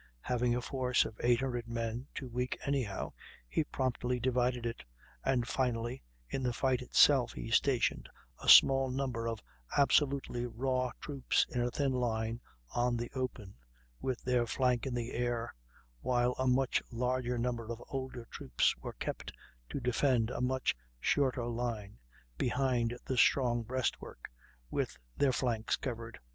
Having a force of 800 men, too weak anyhow, he promptly divided it; and, finally, in the fight itself, he stationed a small number of absolutely raw troops in a thin line on the open, with their flank in the air; while a much larger number of older troops were kept to defend a much shorter line, behind a strong breastwork, with their flanks covered.